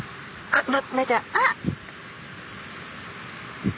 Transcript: あっ！